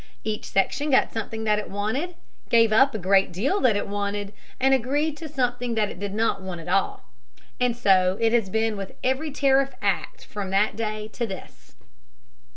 Each section got something that it wanted, gave up a great deal that it wanted, and agreed to something that it did not want at all. And so it has been with every tariff act from that day to this.